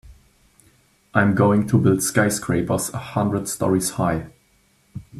I'm going to build skyscrapers a hundred stories high.